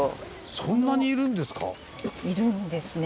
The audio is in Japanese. そんなにいるんですか？